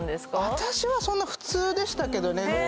私はそんな普通でしたけどねああ